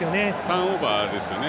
ターンオーバーですよね。